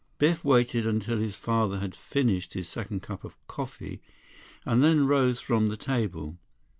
Biff waited until his father had finished his second cup of coffee, and then rose from the table.